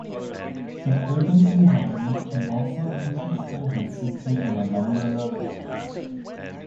The urban environment can also increase diversity in a number of ways.